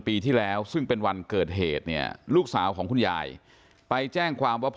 ปีที่แล้วซึ่งเป็นวันเกิดเหตุเนี่ยลูกสาวของคุณยายไปแจ้งความว่า